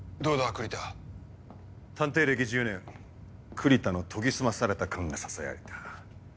栗田・探偵歴１０年栗田の研ぎ澄まされた勘がささやいた。